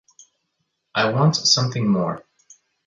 I want something more.